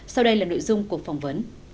sau đây là nội dung cuộc phỏng vấn